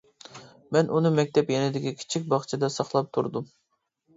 مەن ئۇنى مەكتەپ يېنىدىكى كىچىك باغچىدا ساقلاپ تۇردۇم.